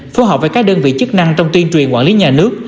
phối hợp với các đơn vị chức năng trong tuyên truyền quản lý nhà nước